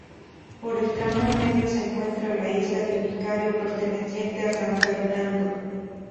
Por el tramo medio se encuentra la Isla del Vicario, perteneciente a San Fernando.